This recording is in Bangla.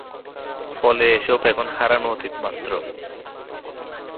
ফলে এসব এখন হারানো অতীত মাত্র।